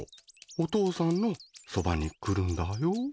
お父さんのそばに来るんだよ。